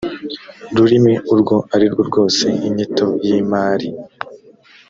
rurimi urwo ari rwo rwose inyito y imari